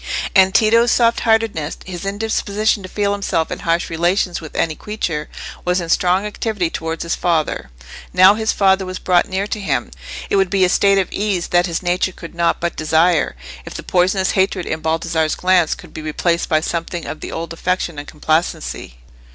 And Tito's soft heartedness, his indisposition to feel himself in harsh relations with any creature, was in strong activity towards his father, now his father was brought near to him. It would be a state of ease that his nature could not but desire, if the poisonous hatred in Baldassarre's glance could be replaced by something of the old affection and complacency.